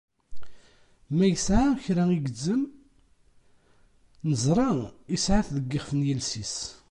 Ma isɛa kra igezzem, neẓra isɛa-t deg yixef n yiles-is.